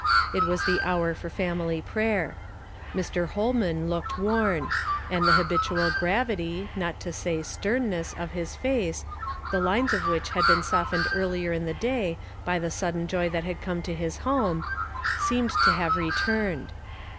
It was tiie hour for family prayer. Mr. llolman looked Avorii; and the habitual gravity, not to say sternness of his face, the lines of wliich had been softened earlier in the day by the sudden "l WILL NOT REFRAIN MY LIPS." 79 joy that had come to his home, seemed to have returned.